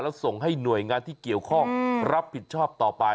แล้วส่งให้หน่วยงานที่เกี่ยวข้องรับผิดชอบต่อไป